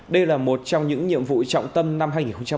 đây là một trong những nhiệm vụ trọng tâm năm hai nghìn một mươi chín